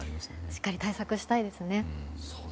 しっかり対策したいですね。